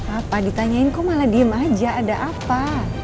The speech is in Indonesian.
apa ditanyain kok malah diem aja ada apa